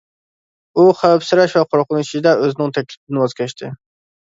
ئۇ خەۋپسىرەش ۋە قورقۇنچ ئىچىدە ئۆزىنىڭ تەكلىپىدىن ۋاز كەچتى.